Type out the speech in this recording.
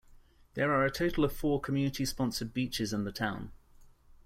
There are a total of four community-sponsored beaches in the town.